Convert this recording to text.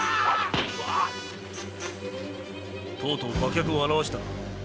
とうとう馬脚を現したな。